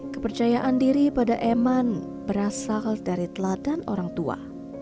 kepercayaan diri pada eman berasal dari teladan orang tua